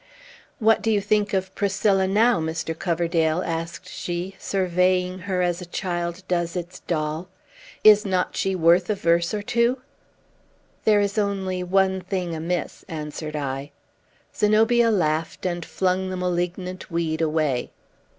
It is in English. "What do you think of Priscilla now, Mr. Coverdale?" asked she, surveying her as a child does its doll. "Is not she worth a verse or two?" "There is only one thing amiss," answered I. Zenobia laughed, and flung the malignant weed away.